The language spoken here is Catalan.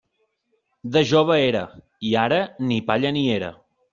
De jove era, i ara ni palla ni era.